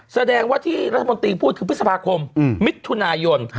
แสดงว่าที่รัฐมนตรีพูดคือพฤษภาคมมิถุนายน